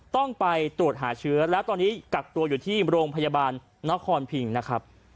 ต้องไปตรวจหาเชื้อแล้วตอนนี้กักตัวอยู่ที่โรงพยาบาลนครพิงนะครับ